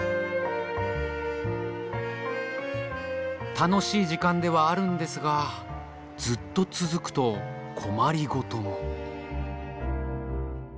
楽しい時間ではあるんですがずっと続くと困り事も。